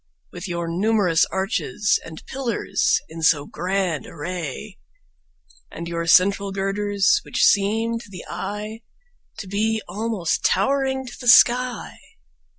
With your numerous arches and pillars in so grand array And your central girders, which seem to the eye To be almost towering to the sky.